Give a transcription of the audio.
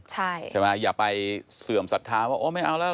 ใช่ใช่ไหมอย่าไปเสื่อมสัทธาว่าไม่เอาแล้ว